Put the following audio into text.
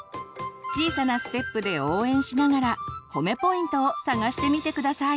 小さなステップで応援しながら褒めポイントを探してみて下さい。